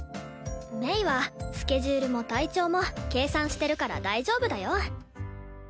鳴はスケジュールも体調も計算してるから大丈夫だよ。